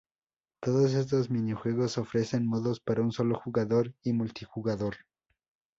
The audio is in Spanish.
Todos estos minijuegos ofrecen modos para un solo jugador y multijugador.